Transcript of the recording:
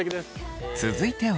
続いては。